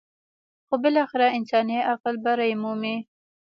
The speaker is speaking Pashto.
خو بالاخره انساني عقل برۍ مومي.